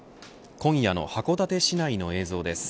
今夜の函館市内の映像です。